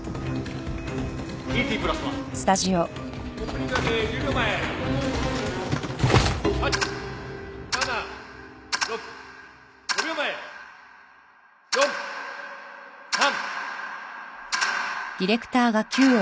『ＴＴプラスワン』オープニング明け１０秒前８７６５秒前４３。